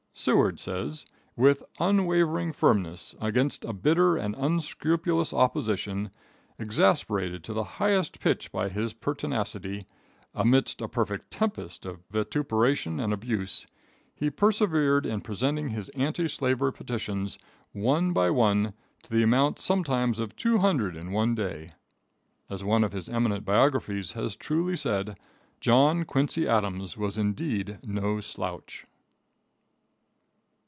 Seward says, "with unwavering firmness, against a bitter and unscrupulous opposition, exasperated to the highest pitch by his pertinacity amidst a perfect tempest of vituperation and abuse he persevered in presenting his anti slavery petitions, one by one, to the amount sometimes of 200 in one day." As one of his eminent biographers has truly said: "John Quincy Adams was indeed no slouch."